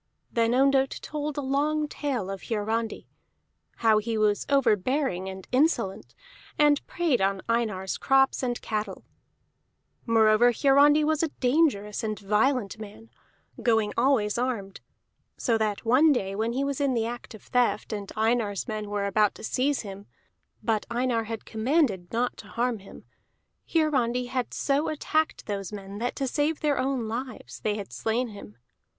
Then Ondott told a long tale of Hiarandi, how he was overbearing and insolent, and preyed on Einar's crops and cattle. Moreover Hiarandi was a dangerous and violent man, going always armed, so that one day when he was in the act of theft and Einar's men were about to seize him but Einar had commanded not to harm him Hiarandi had so attacked those men that to save their own lives they had slain him.